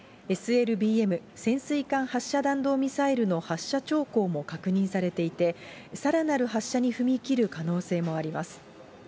ＳＬＢＭ・潜水艦発射弾道ミサイルの発射兆候も確認されていて、さらなる発射に踏み切る可能性もあります。